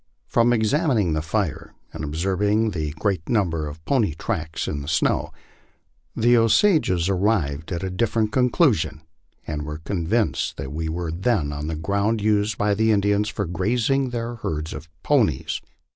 From ex amining the fire and observing the great number of pony tracks in the saow, the Osages arrived at a different conclusion, and were convinced that we weid then on the ground used by the Indians for grazing their herds of ponies.